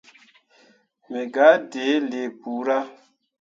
Me gah ɗǝǝne lii kpura.